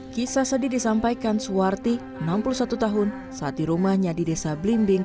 kisah sedih disampaikan suwarti enam puluh satu tahun saat di rumahnya di desa blimbing